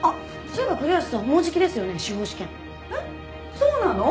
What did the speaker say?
そうなの？